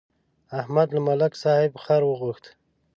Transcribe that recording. احمد له ملک صاحب خر وغوښت.